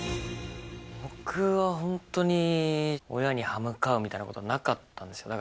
僕は本当に親に刃向かうみたいなことなかったんです。